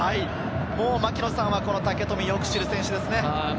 槙野さんは武富、よく知る選手ですね。